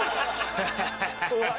ハハハ。